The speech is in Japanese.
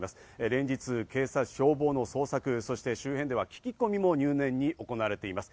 連日、警察、消防の捜索、そして周辺では聞き込みも入念に行われています。